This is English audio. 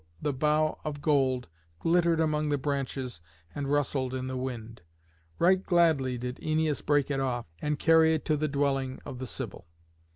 the bough of gold glittered among the branches and rustled in the wind. Right gladly did Æneas break it off, and carry it to the dwelling of the Sibyl.